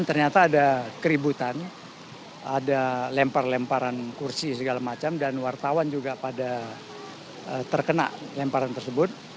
ternyata ada keributan ada lempar lemparan kursi segala macam dan wartawan juga pada terkena lemparan tersebut